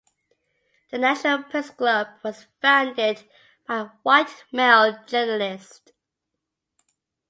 The National Press Club was founded by white male journalists.